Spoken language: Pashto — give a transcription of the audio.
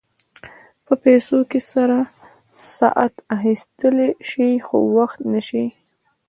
په پیسو سره ساعت اخيستلی شې خو وخت نه شې.